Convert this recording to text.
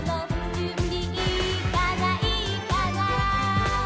「じゅんびいいかないいかな」